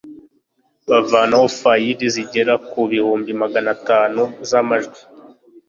bavanaho fayili zigera ku bihumbi magana atanu z'amajwi